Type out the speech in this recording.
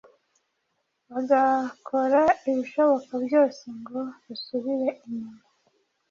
bagakora ibishoboka byose ngo rusubire inyuma